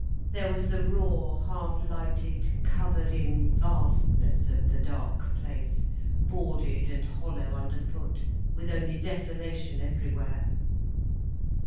There was the raw, half lighted, covered in vastness of the dark place, boarded and hollow underfoot, with only desolation everywhere.